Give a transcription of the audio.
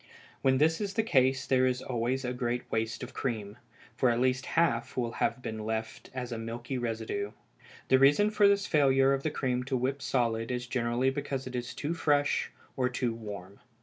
When this is the case there is always a great waste of cream, for at least half will have been left as a milky residue. The reason for this failure of the cream to whip solid is generally because it is too fresh or too warm.